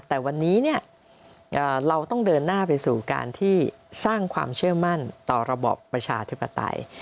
แต่วันนี้เราต้องเดินหน้าไปสู่การที่สร้างความเชื่อมั่นต่อระบอบประชาธิปไตย